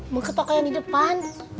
mau ke toko yang di depan